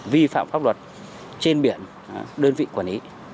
vi phạm pháp luật trên biển đơn vị quản lý